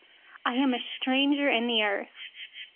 19I am a stranger on the earth.